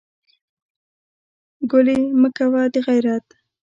ګلې مه کوه دغېرت.